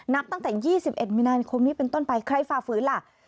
นับตั้งแต่๒๑มีนาคมนี้เป็นต้นไปใครฝ่าฝืนล่ะ